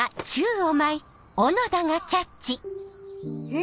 ・え！